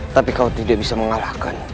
tapi kau tidak bisa mengalahkan